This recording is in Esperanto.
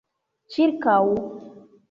ĉirkaŭ